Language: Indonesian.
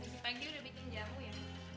tadi pagi udah bikin jamu ya